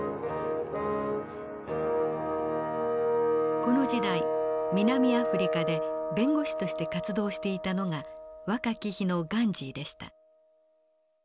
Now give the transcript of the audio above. この時代南アフリカで弁護士として活動していたのが若き日のガンジーでした。